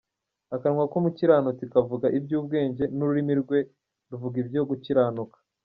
Akanwa k’umukiranutsi kavuga iby’ubwenge, N’ururimi rwe ruvuga ibyo gukiranuka.